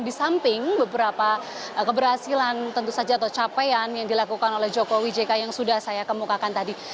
di samping beberapa keberhasilan tentu saja atau capaian yang dilakukan oleh jokowi jk yang sudah saya kemukakan tadi